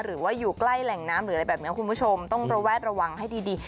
หรือว่าอยู่ใกล้แหล่งน้ำหรืออะไรแบบนี้คุณผู้ชมต้องระแวดระวังให้ดี